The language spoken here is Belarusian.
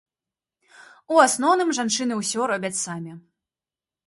У асноўным жанчыны ўсё робяць самі.